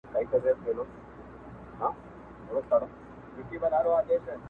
او کندهار ښار په روښانه سو.